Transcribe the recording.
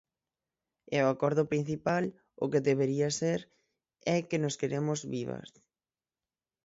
E o acordo principal, o que debería ser, é que nos queremos vivas.